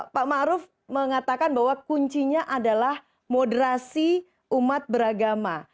pak ma'ruf mengatakan bahwa kuncinya adalah moderasi umat beragama